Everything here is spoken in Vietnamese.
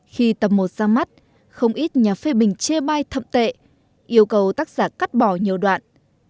khi tầm một ra mắt không ít nhà phê bình chê bai thậm tệ yêu cầu tác giả cắt bỏ nhiều đoạn